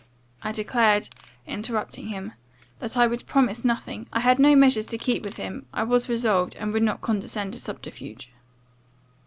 I declared, interrupting him, 'that I would promise nothing. I had no measures to keep with him I was resolved, and would not condescend to subterfuge.